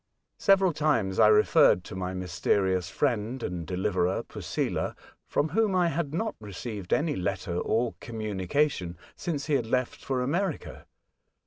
Several times I referred to my mysterious friend and deliverer, Posela, from whom I had not received any letter or communication since he bad left for America.